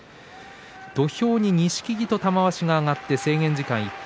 土俵に錦木と玉鷲が上がって制限時間いっぱい。